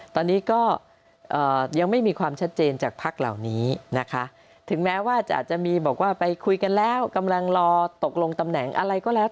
ตอนนี้ก็ยังไม่มีความชัดเจนจากภักดิ์เหล่านี้นะคะถึงแม้ว่าอาจจะมีบอกว่าไปคุยกันแล้วกำลังรอตกลงตำแหน่งอะไรก็แล้ว